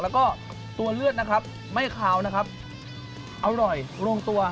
แล้วก็ตัวเลือดนะครับไม่คาวนะครับอร่อยลงตัว